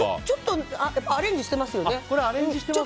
ちょっとアレンジしてますよね。